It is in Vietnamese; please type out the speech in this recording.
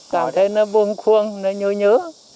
cảm thấy nó buông khuôn nó nhớ nhớ